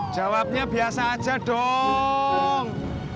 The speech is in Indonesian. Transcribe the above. jawabnya biasa aja dong